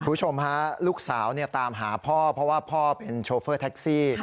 คุณผู้ชมฮะลูกสาวตามหาพ่อเพราะว่าพ่อเป็นโชเฟอร์แท็กซี่